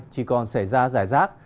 chỉ còn xảy ra giải rác